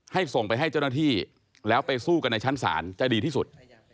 ส่งไปให้เจ้าหน้าที่แล้วไปสู้กันในชั้นศาลจะดีที่สุด